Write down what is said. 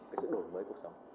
cái sự đổi mới của cuộc sống